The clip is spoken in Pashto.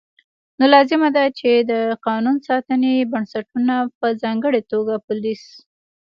نو لازمه ده چې د قانون ساتنې بنسټونه په ځانګړې توګه پولیس